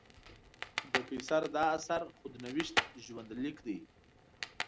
د قیصر دا اثر خود نوشت ژوندلیک دی.